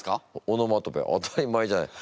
オノマトペ当たり前じゃない。